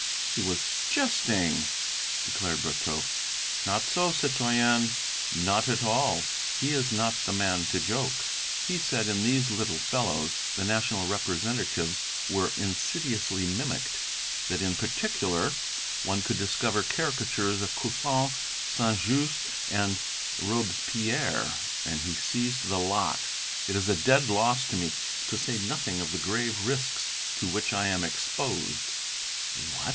"He was jesting!" declared Brotteaux. "Not so, citoyen, not at all. He is not the man to joke. He said in these little fellows the National representatives were insidiously mimicked, that in particular one could discover caricatures of Couthon, Saint Just and Robespierre, and he seized the lot. It is a dead loss to me, to say nothing of the grave risks to which I am exposed." "What!